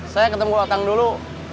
saya ketemu otang dulu